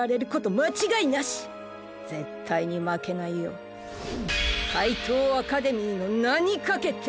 ぜったいにまけないよかいとうアカデミーのなにかけて！